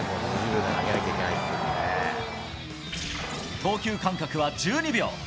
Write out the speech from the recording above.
投球間隔は１２秒。